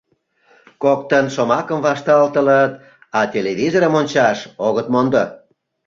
Коктын шомакым вашталтылыт, а телевизорым ончаш огыт мондо.